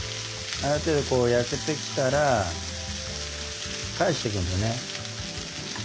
ある程度こう焼けてきたら返していくんですよね。